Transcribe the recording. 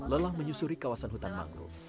lelah menyusuri kawasan hutan mangrove